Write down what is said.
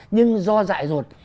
nhưng do dại rột